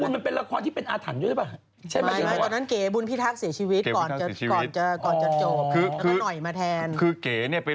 มันเป็นละครที่เป็นอาถรรพ์ด้วยหรือเปล่า